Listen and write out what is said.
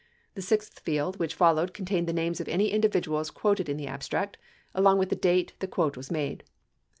The sixth field which followed contained the names of any individuals quoted in the abstract, along with the date the quote was made.